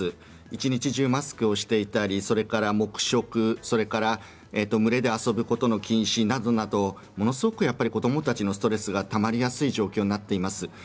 一日中マスクをしていたり黙食、それから群れで遊ぶことの禁止などのものすごく子どもたちのストレスがたまりやすい状況になっています。